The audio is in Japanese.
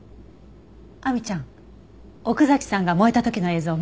亜美ちゃん奥崎さんが燃えた時の映像見せて。